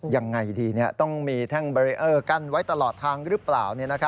อย่างไรดีเนี่ยต้องมีท่างบริเวณกันไว้ตลอดทางหรือเปล่า